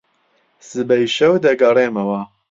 سبەی شەو دەگەڕێمەوە.